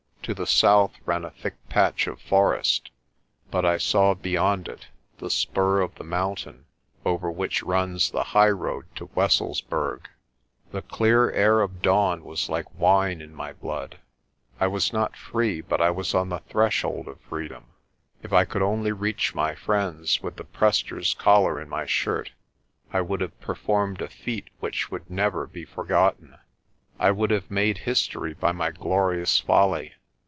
To the south ran a thick patch of forest, but I saw beyond it the spur of the mountain over which runs the highroad to Wesselsburg. The clear air of dawn was like wine in my blood. I was not free but I was on the threshold of freedom. If I could only reach my friends with the Prester's collar in my shirt, I would have performed a feat which would never be forgotten. I would have made history by my glorious folly.